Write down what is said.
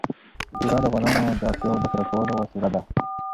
طلا د افغانانو د اړتیاوو د پوره کولو وسیله ده.